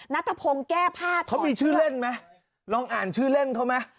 นัทพงศ์แก้ภาษเขามีชื่อเล่นไหมลองอ่านชื่อเล่นเขาไหม